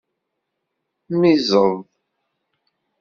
Miẓẓed.